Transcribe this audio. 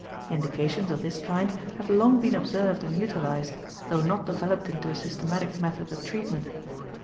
Indications of this kind have long been observed and utilized, though not developed into a systematic method of treatment.